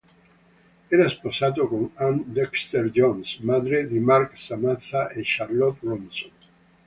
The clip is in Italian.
Era sposato con Ann Dexter-Jones, madre di Mark, Samantha e Charlotte Ronson.